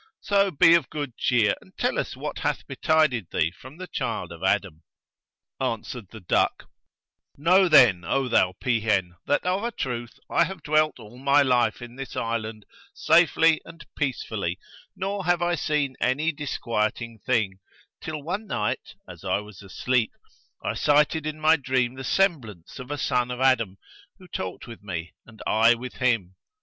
So be of good cheer and tell us what hath betided thee from the child of Adam." Answered the duck, "Know, then, O thou peahen, that of a truth I have dwelt all my life in this island safely and peacefully, nor have I seen any disquieting thing, till one night, as I was asleep, I sighted in my dream the semblance of a son of Adam, who talked with me and I with him.